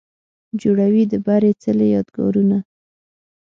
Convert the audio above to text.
جوړوي د بري څلې، یادګارونه